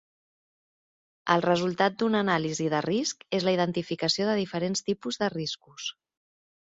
El resultat d'un anàlisi de risc és la identificació de diferents tipus de riscos.